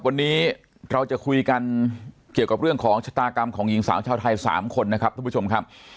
วันนี้เราจะคุยกันเกี่ยวกับเรื่องของชะตากรรมของหญิงสาวชาวไทย๓คนนะครับทุกผู้ชมครับ